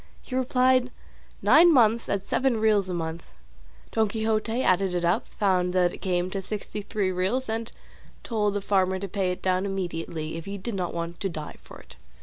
He replied, nine months at seven reals a month. Don Quixote added it up, found that it came to sixty three reals, and told the farmer to pay it down immediately, if he did not want to die for it.